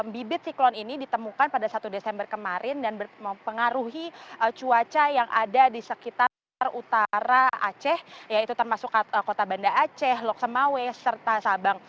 bibit siklon ini ditemukan pada satu desember kemarin dan mempengaruhi cuaca yang ada di sekitar utara aceh yaitu termasuk kota banda aceh loksemawe serta sabang